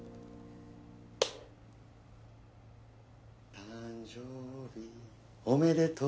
「誕生日おめでとう」